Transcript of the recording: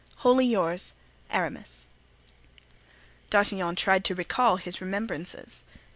"Wholly yours, "Aramis." D'Artagnan tried to recall his remembrances.